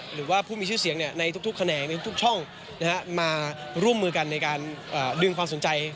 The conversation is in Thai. หรือว่าผู้มีชื่อเสียงในทุกแขนงในทุกช่องมาร่วมมือกันในการดึงความสนใจ